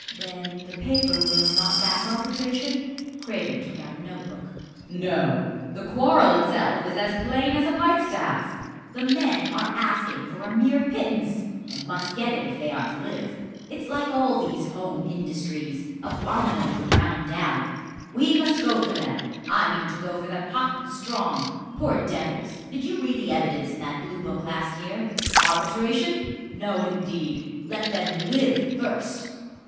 "Then the paper will not back arbitration?" Craven took out a note book. "No! The quarrel itself is as plain as a pikestaff. The men are asking for a mere pittance, and must get it if they are to live. It's like all these home industries, abominably ground down. We must go for them! I mean to go for them hot and strong. Poor devils! did you read the evidence in that Bluebook last year? Arbitration? no, indeed! let them live first!"